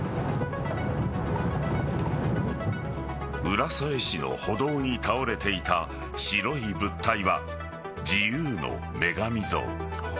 浦添市の歩道に倒れていた白い物体は自由の女神像。